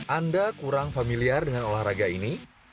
anda kurang familiar dengan olahraga ini